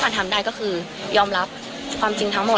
อ๋อเหรอบ้า